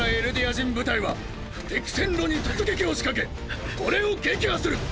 人部隊は敵線路に突撃を仕掛けこれを撃破する！